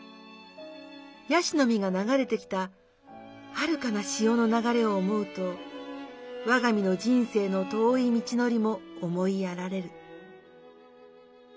椰子の実が流れてきたはるかな潮の流れを思うとわがみの人生の遠い道のりも思いやられる。